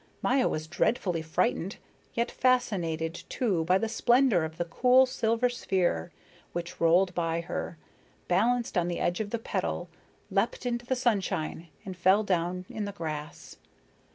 Maya was dreadfully frightened, yet fascinated too by the splendor of the cool silver sphere, which rolled by her, balanced on the edge of the petal, leapt into the sunshine, and fell down in the grass.